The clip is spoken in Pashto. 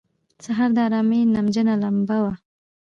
سهار د آرامۍ نمجنه لمبه ده.